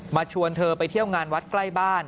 ชวนเธอไปเที่ยวงานวัดใกล้บ้าน